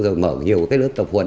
rồi mở nhiều lớp tập huấn